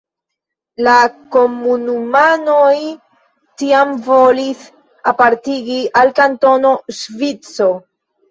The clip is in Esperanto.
La komunumanoj tiam volis aparteni al Kantono Ŝvico.